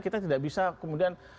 kita tidak bisa kemudian